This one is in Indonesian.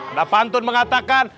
anda pantun mengatakan